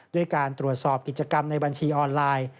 ด้วยการตรวจสอบกิจกรรมในบัญชีออนไลน์